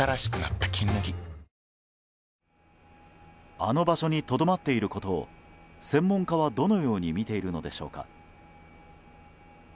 あの場所にとどまっていることを専門家は、どのように見ているのでしょうか。